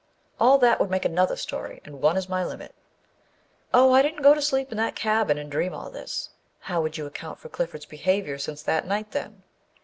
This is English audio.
All that would make another story, and one is my limit. Oh, I didn't go to sleep in that cabin and dream all this â how would you account for Clifford's behavior since that night, then